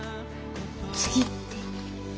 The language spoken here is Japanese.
次って？